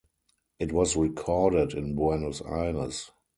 It was recorded in Buenos Aires.